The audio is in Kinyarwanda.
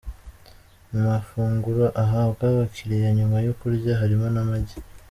Mu mafunguro ahabwa abakiriya nyuma yo kurya harimo n'amagi.